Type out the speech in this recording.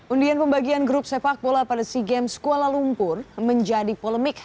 undian pembagian grup sepak bola pada seagames sekolah lumpur menjadi polemik